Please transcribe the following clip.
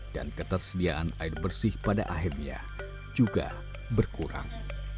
dan ketersediaan air bersih pada akhirnya juga berkurang